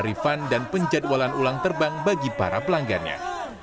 refund dan penjadwalan ulang terbang bagi para pelanggannya